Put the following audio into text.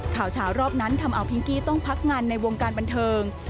ข่าวเช้ารอบนั้นทำเอาพิงกี้ต้องพักงานในวงการบันเทิง